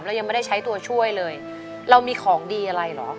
เรายังไม่ได้ใช้ตัวช่วยเลยเรามีของดีอะไรเหรอ